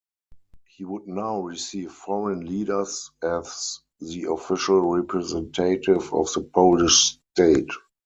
He would now receive foreign leaders as the official representative of the Polish state.